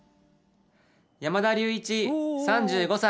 山田隆一３５歳。